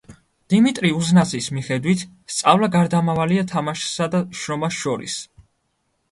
დიმიტრი უზნაძის მიხედვით, სწავლა გარდამავალია თამაშსა და შრომას შორის.